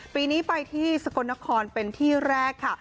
ปีนี้ไปที่สกลนครเป็นที่แรกค่ะ